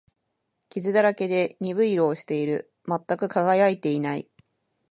傷だらけで、鈍い色をしている。全く輝いていない。